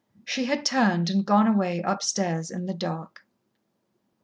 She had turned and gone away upstairs in the dark.